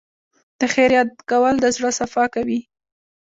د خیر یاد کول د زړه صفا کوي.